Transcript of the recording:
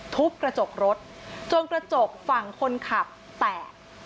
ทุบกระจกรถจนกระจกฝั่งคนขับแตก